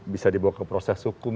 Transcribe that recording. bisa dibawa ke proses hukum